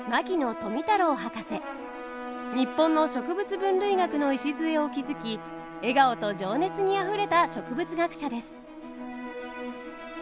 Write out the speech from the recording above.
日本の植物分類学の礎を築き笑顔と情熱にあふれた植物学者です。